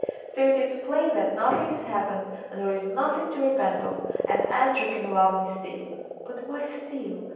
"So it is plain that nothing has happened and there is nothing to repent of, and Andrew can love me still. But why 'still?